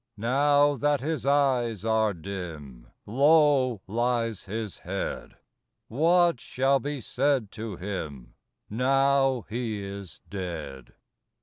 Now that his eyes are dim, Low lies his head? What shall be said to him, Now he is dead?